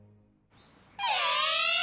え